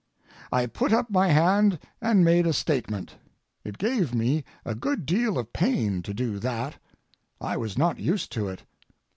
I put up my hand and made a statement. It gave me a good deal of pain to do that. I was not used to it.